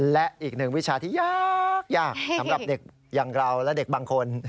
และอีกหนึ่งวิชาที่ยากยากสำหรับเด็กอย่างเราและเด็กบางคน